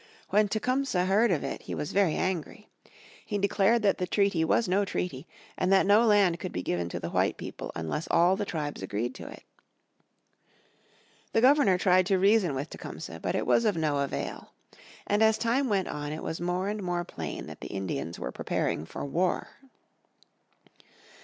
When Tecumseh heard of it he was very angry. He declared that the treaty was no treaty, and that no land could be given to the white people unless all the tribes agreed to it. The Governor tried to reason with Tecumseh, but it was of no avail. And as time went on it was more and more plain that the Indians were preparing for war.